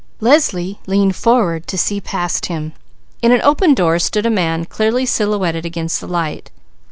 Leslie leaned forward to see past him. In an open door stood a man clearly silhouetted against the light.